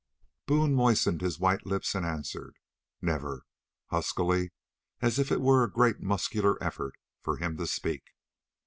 Boone moistened his white lips and answered: "Never," huskily, as if it were a great muscular effort for him to speak.